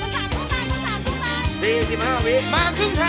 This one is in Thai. คุณพีชนี่ดูเป็นระเบียบมากนะ